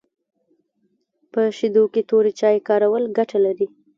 په شیدو کي توري چای کارول ګټه لري